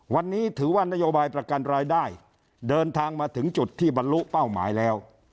วันนี้ถือว่านโยบายประกันรายได้เดินทางมาถึงจุดที่บรรลุเป้าหมายแล้ว